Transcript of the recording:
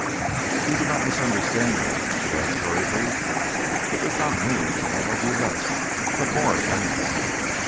"You do not misunderstand that?" she asked hurriedly. "It does not mean that I love you less, but more, if anything.